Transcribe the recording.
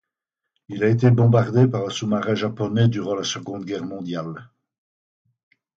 Il a été bombardé par un sous-marin japonais durant la Seconde Guerre mondiale.